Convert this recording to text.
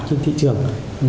trên thị trường